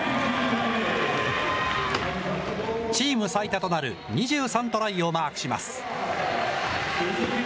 チーム最多となる２３トライをマークします。